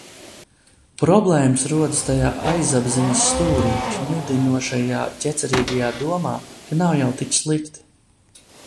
Problēmas rodas tajā aizapziņas stūri kņudinošajā ķecerīgajā domā, ka nav jau tik slikti.